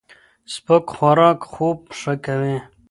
سپک خوراک خوب ښه کوي.